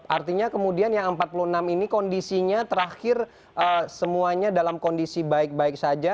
artinya kemudian yang empat puluh enam ini kondisinya terakhir semuanya dalam kondisi baik baik saja